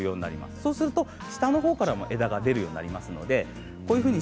そうすると下のほうからも枝が出るようになります。